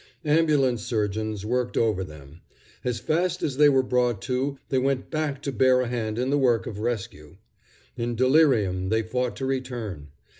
Ambulance surgeons worked over them. As fast as they were brought to, they went back to bear a hand in the work of rescue. In delirium they fought to return.